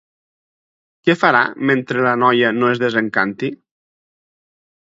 Què farà mentre la noia no es desencanti?